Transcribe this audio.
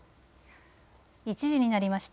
１時になりました。